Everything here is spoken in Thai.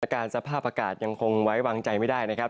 การสภาพอากาศยังคงไว้วางใจไม่ได้นะครับ